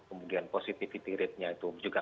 kemudian positivity ratenya itu juga